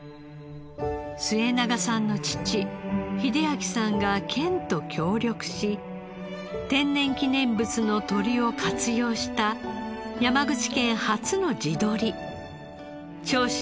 末永さんの父秀昭さんが県と協力し天然記念物の鶏を活用した山口県初の地鶏長州